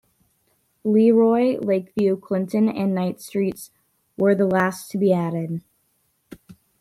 LeRoy, Lake View, Clinton and Knight Streets were the last to be added.